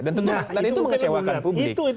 dan itu mengecewakan publik